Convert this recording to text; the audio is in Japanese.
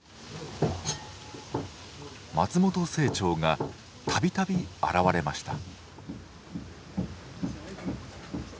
松本清張が度々現れました。